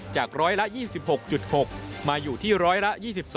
จากร้อยละ๒๖๖มาอยู่ที่ร้อยละ๒๒